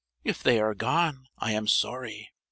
If they are gone, I am sorry.